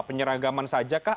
penyeragaman saja kah